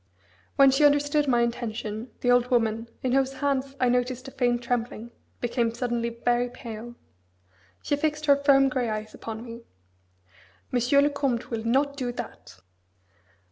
When she understood my intention, the old woman, in whose hands I had noticed a faint trembling, became suddenly very pale. She fixed her firm, grey eyes upon me: "Monsieur le Comte will not do that!"